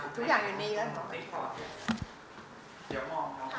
ทุกอย่างอยู่ในนี้แล้ว